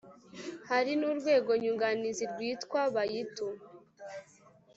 Hari n’urwego nyunganizi rwitwa Bayitu